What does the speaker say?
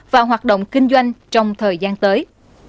và hoạt động kinh doanh trong thời gian tới